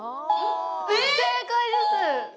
正解です。